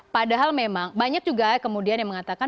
padahal memang banyak juga kemudian yang mengatakan